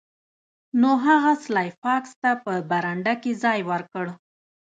نو هغه سلای فاکس ته په برنډه کې ځای ورکړ